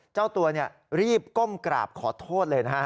เจ้าตัวรีบก้มกราบขอโทษเลยนะฮะ